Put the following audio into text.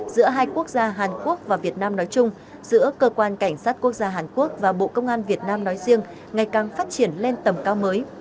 giữa hai quốc gia hàn quốc và việt nam nói chung giữa cơ quan cảnh sát quốc gia hàn quốc và bộ công an việt nam nói riêng ngày càng phát triển lên tầm cao mới